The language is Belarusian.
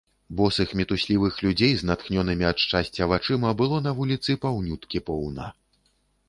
Босых мітуслівых людзей з натхнёнымі ад шчасця вачыма было на вуліцы паўнюткі поўна.